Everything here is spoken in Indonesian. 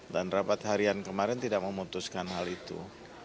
dan rapat harian kemarin tidak memutuskan hal itu